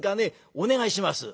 お願いします」。